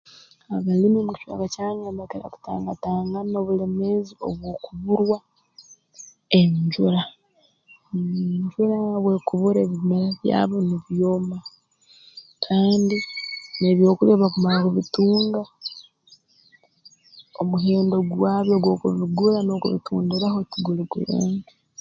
Abalimi mu kicweka kyange mbakira kutangatangana obulemeezi obw'okuburwa enjura mmh enjura obu ekubura ebimera byabo nibyoma kandi n'ebyokulya obu bakumara kubitunga omuhendo gwabyo gw'okubigura n'okubitundiraho tuguli gurungi